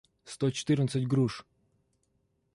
сто четырнадцать груш